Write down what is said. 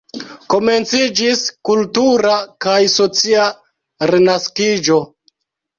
Komenciĝis kultura kaj socia renaskiĝo.